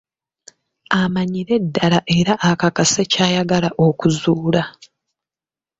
Amanyire ddala era akakase ky'ayagala okuzuula.